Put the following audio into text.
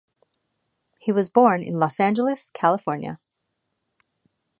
He was born in Los Angeles, California.